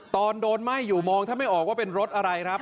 ตอนโดนไหม้อยู่มองแทบไม่ออกว่าเป็นรถอะไรครับ